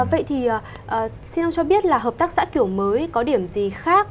vậy thì xin ông cho biết là hợp tác xã kiểu mới có điểm gì khác